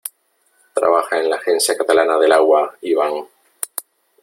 Trabaja en la Agencia Catalana del Agua, Iván.